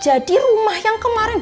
jadi rumah yang kemarin